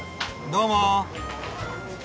どうも。